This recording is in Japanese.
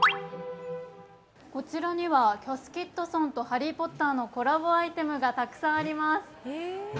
こちらにはＣａｔｈＫｉｄｓｔｏｎと「ハリー・ポッター」のコラボアイテムがたくさんあります。